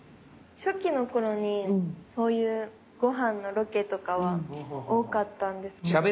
初期の頃にそういうご飯のロケとかは多かったんですけど。